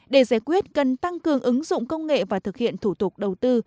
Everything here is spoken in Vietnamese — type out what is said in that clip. để giải quyết cần tăng cường ứng dụng công nghệ và thực hiện thủ tục đầu tư